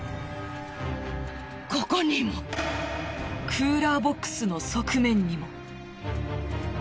クーラーボックスの側面にも。